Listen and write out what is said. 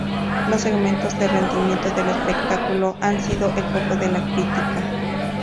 Los segmentos de rendimiento del espectáculo han sido el foco de la crítica.